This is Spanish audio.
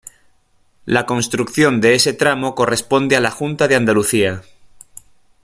La construcción de este tramo corresponde a la Junta de Andalucía.